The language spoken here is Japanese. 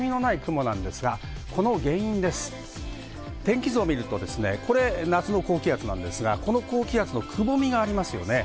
この原因が天気図を見ると夏の高気圧なんですが、くぼみがありますね。